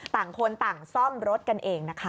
ต่างคนต่างซ่อมรถเอง